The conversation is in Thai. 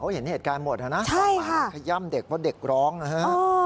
เขาเห็นเหตุการณ์หมดเหรอนะขย่ำเด็กเพราะเด็กร้องนะฮะโอ้